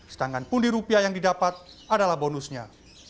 sedangkan pundi rupiah yang didapat adalah bonusnya